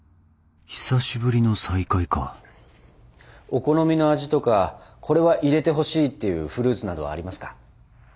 久しぶりの再会かお好みの味とかこれは入れてほしいっていうフルーツなどはありますか？